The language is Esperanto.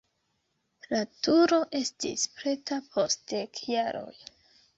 La turo estis preta post dek jaroj.